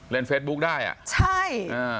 เล่นเฟสบุ๊คได้อ่ะอ่าใช่